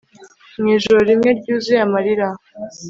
mu ijoro rimwe ryuzuye amarira